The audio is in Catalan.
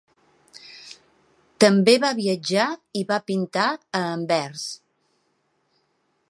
També va viatjar i va pintar a Anvers.